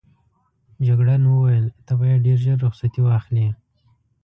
جګړن وویل ته باید ډېر ژر رخصتي واخلې.